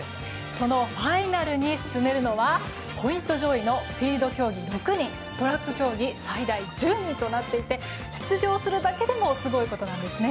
そのファイナルに進めるのはポイント上位のフィールド競技６人トラック競技最大１０人となっていて出場するだけでもすごいことなんです。